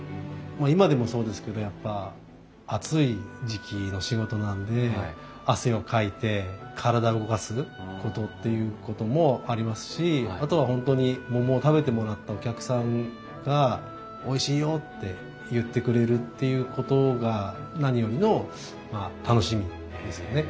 今でもそうですけどやっぱ暑い時期の仕事なので汗をかいて体を動かすことっていうこともありますしあとは本当に桃を食べてもらったお客さんがおいしいよって言ってくれるっていうことが何よりの楽しみですよね。